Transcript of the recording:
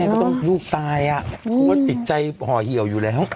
ป่ะเนี้ยต้องยุตตายอ่ะอือนี่ก็ติดใจเหาะเหี่ยวอยู่แล้ว